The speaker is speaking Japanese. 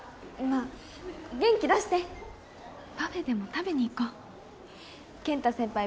まあ元気出してパフェでも食べに行こ健太先輩